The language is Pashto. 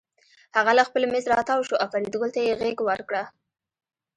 هغه له خپل مېز راتاو شو او فریدګل ته یې غېږ ورکړه